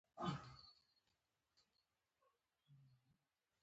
زه هڅه کوم، چي د نورو زړونه و نه خورم.